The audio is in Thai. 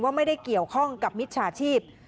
ไม่ได้เกี่ยวข้องกับมิจฉาชีพ